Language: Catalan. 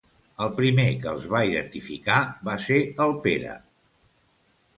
El primer que els va identificar va ser el Pere.